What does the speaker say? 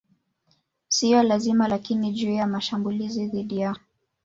siyo lazima Lakini juu ya mashambulizi dhidi ya